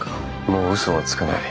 もう嘘はつかない。